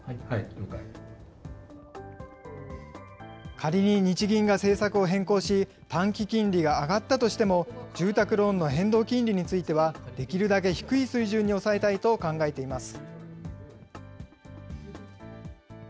仮に日銀が政策を変更し、短期金利が上がったとしても、住宅ローンの変動金利については、できるだけ低い水準に抑えたいと考えています。